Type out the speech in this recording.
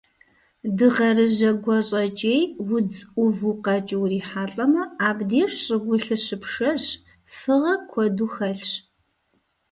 Дыгъэрыжьэ гуащӀэкӀей удз Ӏуву къэкӀыу урихьэлӀэмэ, абдеж щӀыгулъыр щыпшэрщ, фыгъэ куэду хэлъщ.